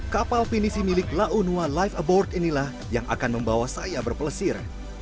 kapal pinisi milik launua life abort inilah yang akan membawa saya berpelesir